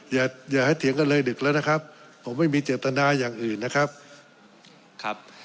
อย่าให้เถียงกันเลยดึกแล้วนะครับ